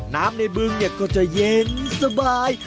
น้ำในบึงก็จะเย็นสบาย